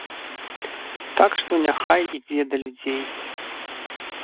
Так што няхай ідзе да людзей.